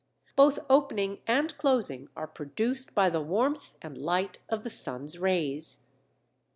Both opening and closing are produced by the warmth and light of the sun's rays.